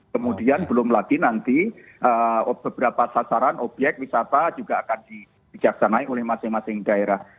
kemudian belum lagi nanti beberapa sasaran obyek wisata juga akan dibijaksanai oleh masing masing daerah